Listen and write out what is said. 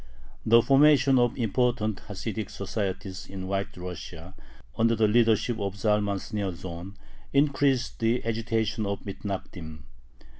The formation of important Hasidic societies in White Russia, under the leadership of Zalman Shneorsohn, increased the agitation of the Mithnagdim.